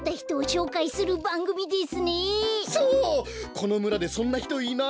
このむらでそんなひといない？